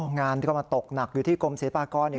อ๋องานที่เขามาตกหนักอยู่ที่กรมศรีปากร